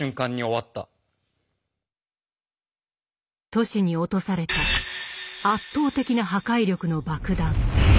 都市に落とされた圧倒的な破壊力の爆弾。